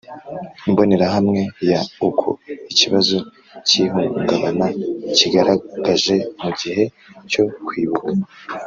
Imbonerahamwe ya Uko ikibazo cy ihungabana cyigaragaje mu gihe cyo kwibuka